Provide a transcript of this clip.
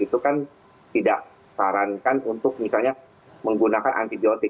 itu kan tidak sarankan untuk misalnya menggunakan antibiotik